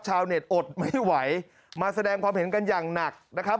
ชาวเน็ตอดไม่ไหวมาแสดงความเห็นกันอย่างหนักนะครับ